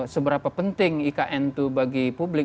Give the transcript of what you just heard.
seberapa penting ikn itu bagi publik